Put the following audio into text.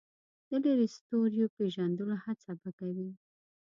د لرې ستوریو د پېژندلو هڅه به کوي.